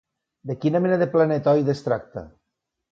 De quina mena de planetoide es tracta?